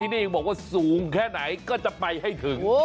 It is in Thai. นี่ยังบอกว่าสูงแค่ไหนก็จะไปให้ถึง